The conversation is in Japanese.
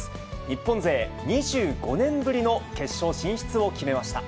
日本勢２５年ぶりの決勝進出を決めました。